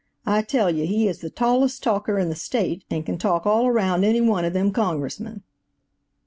I tell you, he is the tallest talker in the State, and can talk all around any one of them Congressmen."